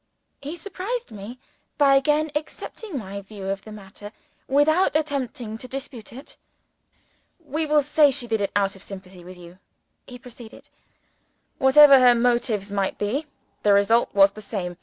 He surprised me by again accepting my view of the matter, without attempting to dispute it. "We will say she did it out of sympathy with you," he proceeded. "Whatever her motives might be, the result was the same.